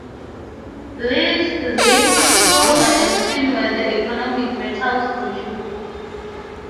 Lead, zinc, silver and tin were the economic metals produced.